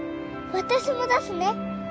私も出すね。